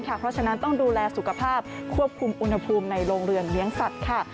เพราะฉะนั้นต้องดูแลสุขภาพควบคุมอุณหภูมิในโรงเรือนเลี้ยงสัตว์ค่ะ